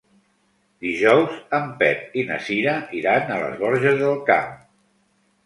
Dijous en Pep i na Cira iran a les Borges del Camp.